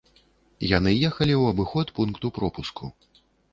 Яны ехалі ў абыход пункту пропуску.